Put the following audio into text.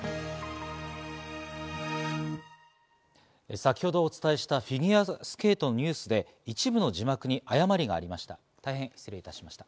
先ほどお伝えしたフィギュアスケートのニュースで一部の字幕に誤りがありました。